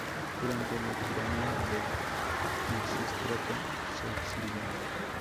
Durante la tiranía de Pisístrato, se exilió.